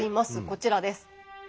こちらです。